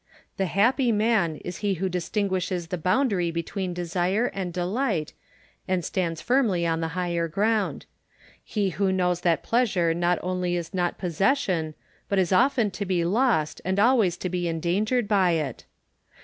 The happy man is he who distinguishes the boundary between desire and delight, and stands firmly on the higher ground ; he who knows that pleasure not only is not pos session, but is often to be lost and always to be endangered by it.